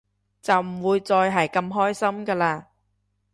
就唔會再係咁開心㗎喇